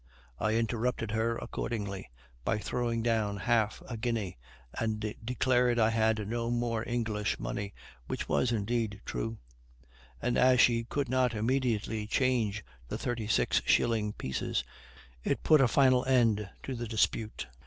I interrupted her accordingly by throwing down half a guinea, and declared I had no more English money, which was indeed true; and, as she could not immediately change the thirty six shilling pieces, it put a final end to the dispute.